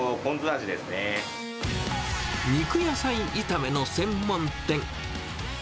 肉野菜炒めの専門店。